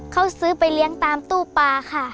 เขาซื้อไปเลี้ยงตามตู้ปลาค่ะ